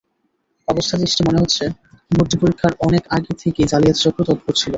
অবস্থাদৃষ্টে মনে হচ্ছে, ভর্তি পরীক্ষার অনেক আগে থেকেই জালিয়াত চক্র তৎপর ছিল।